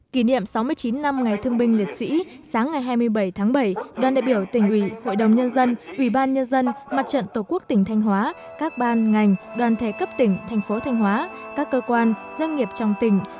kỷ niệm sáu mươi chín năm ngày thương binh liệt sĩ sáng ngày hai mươi bảy tháng bảy đoàn đại biểu tỉnh ủy hội đồng nhân dân ủy ban nhân dân mặt trận tổ quốc tỉnh thanh hóa các ban ngành đoàn thể cấp tỉnh thành phố thanh hóa các cơ quan doanh nghiệp trong tỉnh